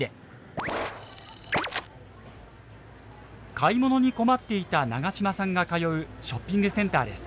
買い物に困っていた永島さんが通うショッピングセンターです。